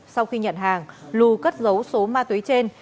sau khi nhận hàng lù cất dấu số ma túy trên